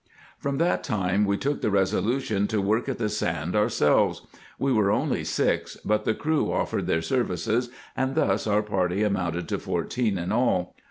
From that time we took the resolution to work at the sand ourselves. We were only six, but the crew offered their services, and thus our party amounted to fourteen in all.